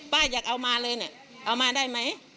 อยากเอามาเลยเนี่ยเอามาได้ไหม